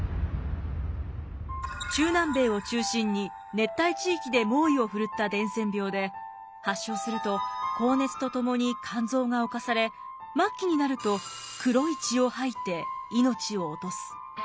中南米を中心に熱帯地域で猛威をふるった伝染病で発症すると高熱とともに肝臓が侵され末期になると黒い血を吐いて命を落とす。